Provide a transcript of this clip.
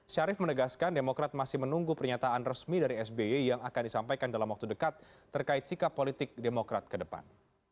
syarif menegaskan demokrat masih menunggu pernyataan resmi dari sby yang akan disampaikan dalam waktu dekat terkait sikap politik demokrat ke depan